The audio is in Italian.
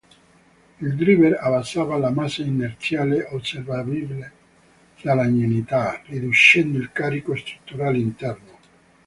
Il Driver abbassava la massa inerziale osservabile dell'unità, riducendo il carico strutturale interno.